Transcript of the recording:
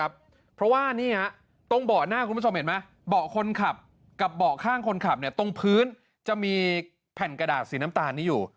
เบาะคนขับกับเบาะข้างคนขับตรงพื้นจะมีแผ่นกระดาษสีน้ำตาลนี้อยู่